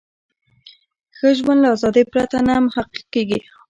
ښه ژوند له ازادۍ پرته نه محقق کیږي.